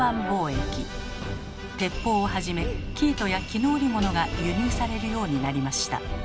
鉄砲をはじめ生糸や絹織物が輸入されるようになりました。